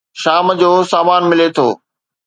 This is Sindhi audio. شام جو سامان ملي ٿو.